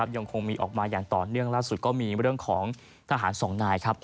ยังคงมีออกมาอย่างต่อเนื่องล่าสุดก็มีเรื่องของทหารสองนายครับ